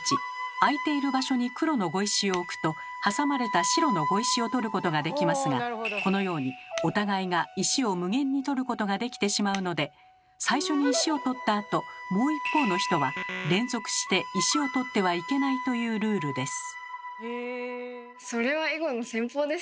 空いている場所に黒の碁石を置くと挟まれた白の碁石を取ることができますがこのようにお互いが石を無限に取ることができてしまうので最初に石を取ったあともう一方の人は連続して石を取ってはいけないというルールです。